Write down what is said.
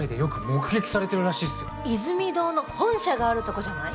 イズミ堂の本社があるとこじゃない？